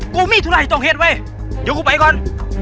กูมีธุระให้ตรงเหตุไว้เดี๋ยวกูไปก่อน